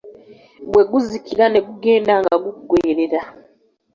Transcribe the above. Bwe guzikira ne gugenda nga guggwerera.